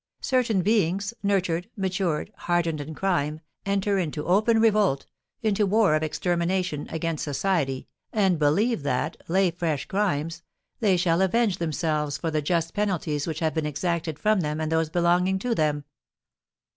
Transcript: Certain beings, nurtured, matured, hardened in crime, enter into open revolt, into war of extermination, against society, and believe that, lay fresh crimes, they shall avenge themselves for the just penalties which have been exacted from them and those belonging to them.